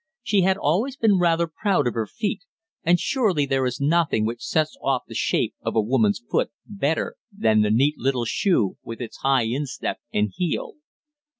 She had always been rather proud of her feet, and surely there is nothing which sets off the shape of a woman's foot better than the neat little shoe, with its high instep and heel.